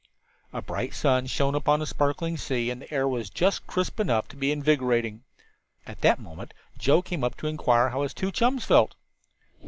A bright sun shone upon a sparkling sea, and the air was just crisp enough to be invigorating. At that moment Joe came up to inquire how his two chums felt.